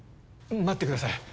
待ってください！